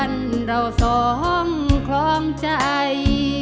เนี่ย